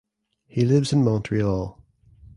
He lives in Montreal.